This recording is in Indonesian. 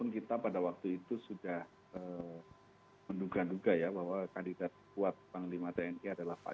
tidak panglima tni